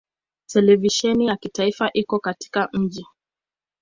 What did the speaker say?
Televisheni ya kitaifa iko katika mji.